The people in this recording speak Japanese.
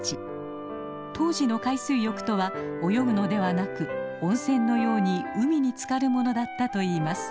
当時の海水浴とは泳ぐのではなく温泉のように海につかるものだったといいます。